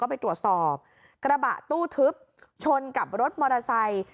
ไปตรวจสอบกระบะตู้ทึบชนกับรถมอเตอร์ไซค์